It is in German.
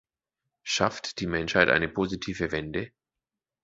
Schafft die Menschheit eine positive Wende?